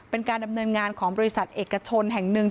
เป็นการดำเนินงานของบริษัทเอกชนแห่งหนึ่ง